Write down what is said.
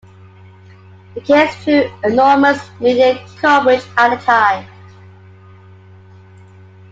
The case drew enormous media coverage at the time.